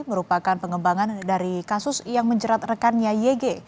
merupakan pengembangan dari kasus yang menjerat rekannya yg